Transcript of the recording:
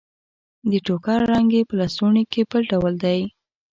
د ټوکر رنګ يې په لستوڼي کې بل ډول دی.